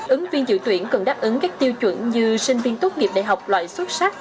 ứng viên dự tuyển cần đáp ứng các tiêu chuẩn như sinh viên tốt nghiệp đại học loại xuất sắc